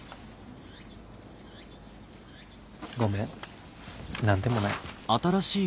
ごめん何でもない。